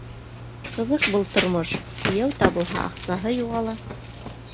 Ҡыҙык был тормош: кейәү табылһа, аҡсаһы юғала!